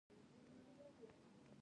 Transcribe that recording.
زه له بې احترامۍ کرکه لرم.